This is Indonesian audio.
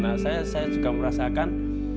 nah saya merasakan